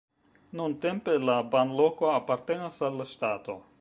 Nuntempe la banloko apartenas al la ŝtato.